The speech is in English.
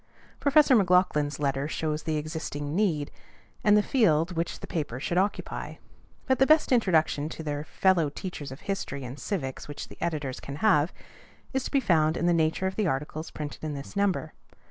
Professor McLaughlin's letter shows the existing need, and the field which the paper should occupy. But the best introduction to their fellow teachers of history and civics which the editors can have, is to be found in the nature of the articles printed in this number.